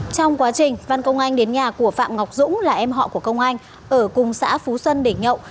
trong quá trình văn công anh đến nhà của phạm ngọc dũng là em họ của công anh ở cùng xã phú xuân để nhậu